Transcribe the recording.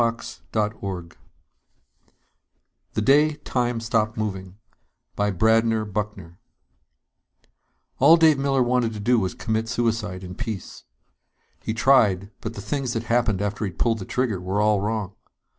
net THE DAY TIME STOPPED MOVING By BRADNER BUCKNER _All Dave Miller wanted to do was commit suicide in peace. He tried, but the things that happened after he'd pulled the trigger were all wrong.